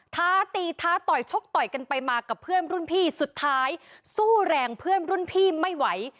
ท้าตีท้าต่อยชกต่อยกันไปมากับเพื่อนรุ่นพี่สุดท้ายสู้แรงเพื่อนรุ่นพี่ไม่ไหว